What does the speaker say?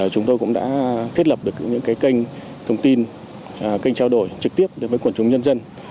chúng tôi cũng đã thiết lập được những kênh thông tin kênh trao đổi trực tiếp đến với quần chúng nhân dân